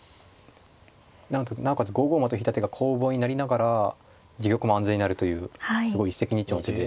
なおかつ５五馬と引いた手が攻防になりながら自玉も安全になるというすごい一石二鳥の手で。